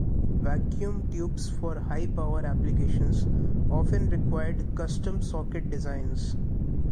Vacuum tubes for high-power applications often required custom socket designs.